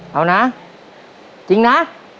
เอานะจริงนะ